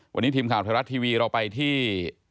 วันนี้ทีมข่าวไทยรัฐทีวีเราไปที่